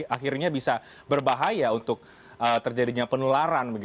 akhirnya bisa berbahaya untuk terjadinya penularan